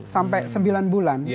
sampai sembilan bulan